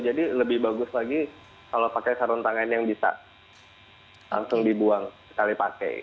jadi lebih bagus lagi kalau pakai sarung tangan yang bisa langsung dibuang sekali pakai